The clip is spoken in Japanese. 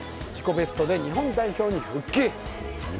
ベストで日本代表に復帰